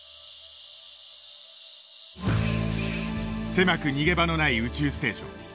狭く逃げ場のない宇宙ステーション。